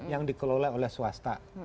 yang dikelola oleh swasta